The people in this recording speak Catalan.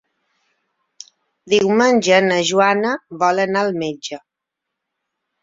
Diumenge na Joana vol anar al metge.